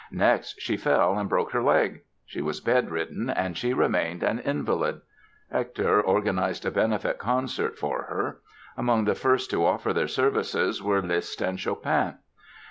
Next, she fell and broke her leg. She was bed ridden and she remained an invalid. Hector organized a benefit concert for her. Among the first to offer their services were Liszt and Chopin.